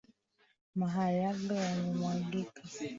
Maharagwe yamemwagika